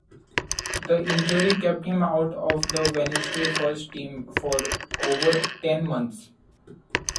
The injury kept him out of the Wednesday first team for over ten months.